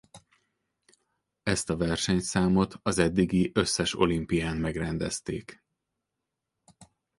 Ezt a versenyszámot az eddigi összes olimpián megrendezték.